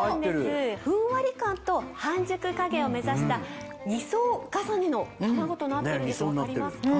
ふんわり感と半熟加減を目指した２層重ねの玉子となっているんです分かりますか？